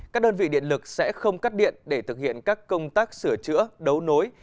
các đơn vị điện lực sẽ không cắt điện để thực hiện các công tác sửa chữa đấu nối